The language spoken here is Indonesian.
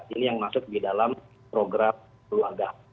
ini yang masuk di dalam program keluarga